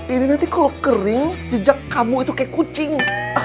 ini nanti kalau kering jejak kamu itu kayak kucing